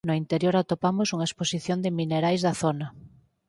No interior atopamos unha exposición de minerais da zona.